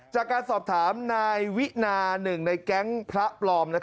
จากการสอบถามนายวินาหนึ่งในแก๊งพระปลอม